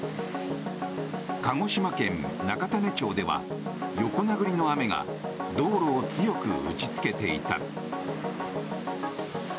鹿児島県中種子町では横殴りの雨が道路を強く打ちつけていた。